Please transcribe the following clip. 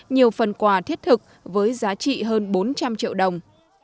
nhiều phần quà thiết thực với giá trị hơn bốn trăm linh triệu đồng